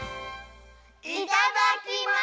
いただきます！